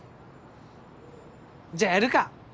じゃあやるか！